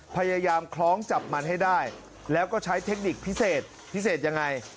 พยายามคล้องจับมันให้ได้แล้วก็ใช้เทคนิคพิเศษพิเศษยังไง